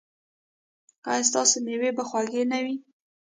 ایا ستاسو میوې به خوږې نه وي؟